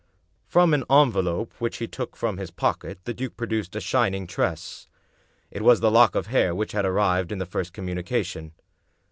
From an envelope which he took from his pocket the duke produced a shining tress. It was the lock of hair which had arrived in the first communication.